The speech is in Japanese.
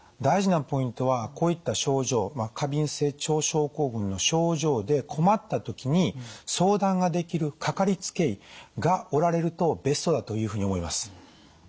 大事なポイントはこういった症状過敏性腸症候群の症状で困った時に相談ができるかかりつけ医がおられるとベストだというふうに思います。